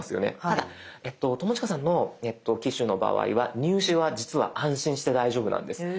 ただ友近さんの機種の場合は入手は実は安心して大丈夫なんです。